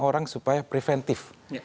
orang supaya preventif